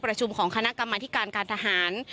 ประชุมของคณะกรรมธิการการทหาร